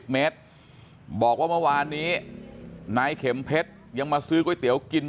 เมตรบอกว่าเมื่อวานนี้นายเข็มเพชรยังมาซื้อก๋วยเตี๋ยวกิน